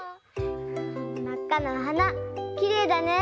まっかなおはなきれいだね。